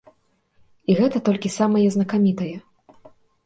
І гэта толькі самае знакамітае.